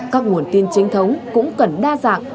các nguồn tin chính thống cũng cần đa dạng